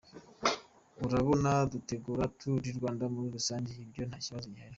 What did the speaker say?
Urabona dutegura Tour du Rwanda muri rusange, ibyo nta kibazo gihari.